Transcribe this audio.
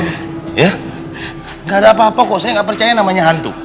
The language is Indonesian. tidak ada apa apa kok saya nggak percaya namanya hantu